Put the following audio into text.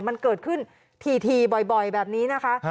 มันเกิดขึ้นถี่บ่อยแบบนี้นะคะ